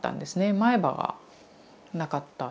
前歯がなかった。